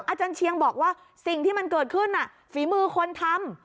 อาจารย์เชียงบอกว่าสิ่งที่มันเกิดขึ้นฝีมือคนทำ